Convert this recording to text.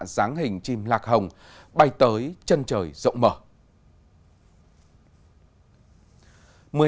dáng hình chim lạc hồng bay tới chân trời rộng mở